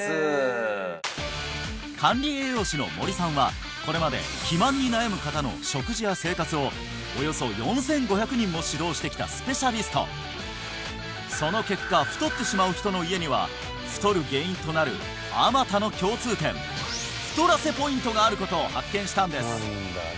管理栄養士の森さんはこれまで肥満に悩む方の食事や生活をおよそ４５００人も指導してきたスペシャリストその結果太ってしまう人の家には太る原因となるあまたの共通点「太らせポイント」があることを発見したんです